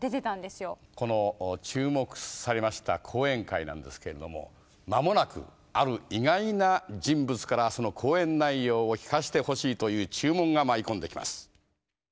この注目されました講演会なんですけれども間もなくある意外な人物からその講演内容を聞かしてほしいという注文が舞い込んできます。